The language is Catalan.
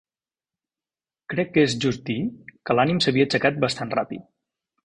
Crec que és just dir que l'ànim s'havia aixecat bastant ràpid.